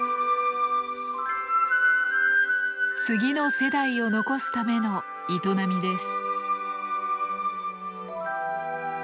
次の世代を残すための営みです。